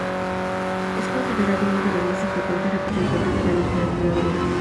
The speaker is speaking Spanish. Es considerado uno de los más importantes representantes de la literatura griega.